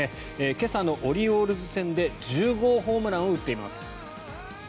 今朝のオリオールズ戦で１０号ホームランを打っています。